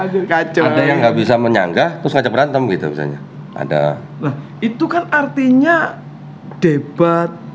berkaca ada yang nggak bisa menyanggah terus aja berantem gitu misalnya ada itu kan artinya debat